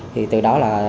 thì từ đó là